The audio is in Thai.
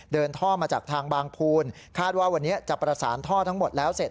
ท่อมาจากทางบางภูนคาดว่าวันนี้จะประสานท่อทั้งหมดแล้วเสร็จ